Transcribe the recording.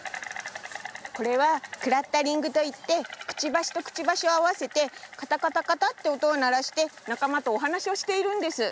これは「クラッタリング」といってくちばしとくちばしをあわせてカタカタカタっておとをならしてなかまとおはなしをしているんです。